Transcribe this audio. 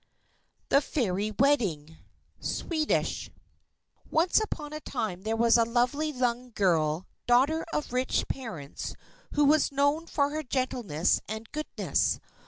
THE FAIRY WEDDING From Sweden Once upon a time there was a lovely young girl, daughter of rich parents, who was known for her gentleness and goodness.